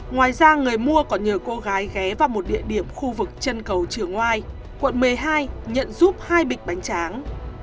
ngoài ra người mua còn nhờ cô gái ghé vào một địa điểm khu vực chân cầu trường ngoai quận một mươi hai nhận giúp hai bịch bánh tráng